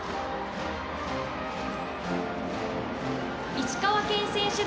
石川県選手団。